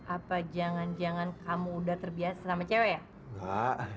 apa jangan jangan kamu udah terbiasa sama cewek ya